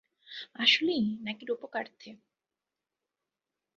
আসলেই নাকি রূপকার্থে?